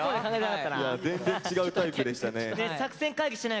全然違うタイプでしたね。